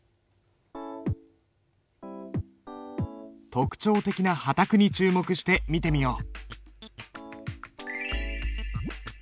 特徴的な波磔に注目して見てみよう。